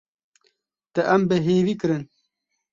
Te em bêhêvî kirin.